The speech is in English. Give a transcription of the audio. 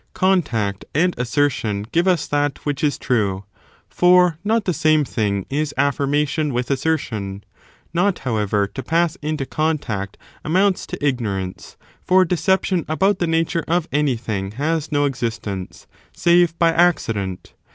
Contact and assertion give us that ^ which is true, for not the same thing is affirmation with assertion;' not, however, to pass into contact amounts to ignorance, for deception about the nature of anything has no existence, save by accident.